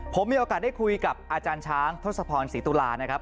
ผมมีโอกาสได้คุยกับอาจารย์ช้างทศพรศรีตุลานะครับ